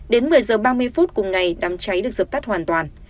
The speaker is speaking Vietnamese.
đến một mươi h ba mươi phút cùng ngày đám cháy được dập tắt hoàn toàn